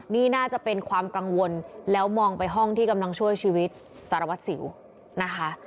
นี่น่าจะเป็นความกังวลแล้วมองไปห้องที่กำลังช่วยชีวิตสารวัตรสิวนะคะ